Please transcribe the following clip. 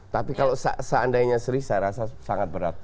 tapi kalau seandainya seri saya rasa sangat berat